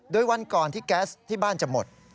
โดยวันก่อนที่แก๊สที่บ้านจะหมด